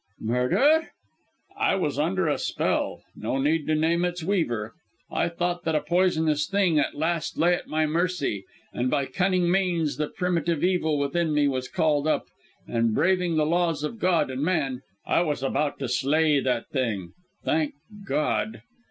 "Murder!" "I was under a spell no need to name its weaver; I thought that a poisonous thing at last lay at my mercy, and by cunning means the primitive evil within me was called up, and braving the laws of God and man, I was about to slay that thing. Thank God!